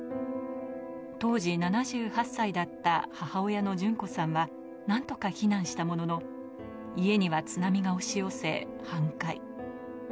当時７８歳だった母親の順子さんは何とか避難したものの、家には津波が押し寄せ半壊。